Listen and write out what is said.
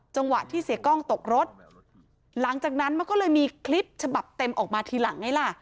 จังหวะที่เสียกล้องตกรถหลังจากนั้นมันก็เลยมีคลิปฉบับเต็มออกมาทีหลังไงล่ะ